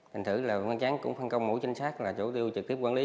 hình thử là ban chế án cũng phân công mũi trên xác là chủ tiêu trực tiếp quản lý